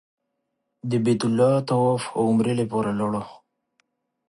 د بیت الله طواف او عمرې لپاره لاړو.